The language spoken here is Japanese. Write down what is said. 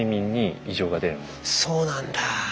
そうなんだあ。